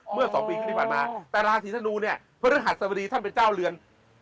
อ๋อเมื่อสองปีคลิปันมาแต่ราศรีธนูเนี้ยพระธรรมดีท่านเป็นเจ้าเรือน